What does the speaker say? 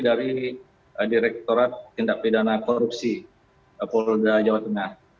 ini dari direkturat tindak pedana korupsi polroda jawa tengah